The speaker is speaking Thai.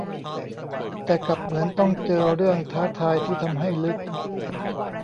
แต่กลับเหมือนต้องเจอเรื่องท้าทายที่ทำให้ลึก